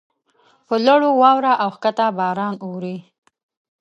پر لوړو واوره اوکښته باران اوري.